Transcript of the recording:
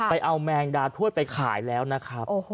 ไปเอาแมงดาถ้วยไปขายแล้วนะครับ